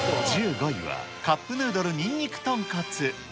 １５位は、カップヌードルにんにく豚骨。